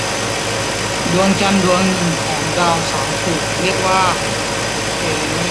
ดวงจันทร์ดวงหนึ่งของดาวเสาร์ถูกเรียกว่าเฮเลเน่.